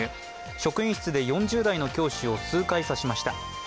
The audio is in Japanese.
職員室で４０代の教師を数回刺しました。